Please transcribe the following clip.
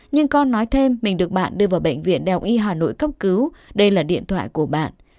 nhưng con nói thêm mình được bạn đưa vào bệnh viện đại học y hà nội cấp cứu đây là điện thoại của bạn